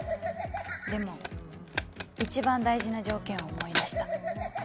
でも一番大事な条件を思い出した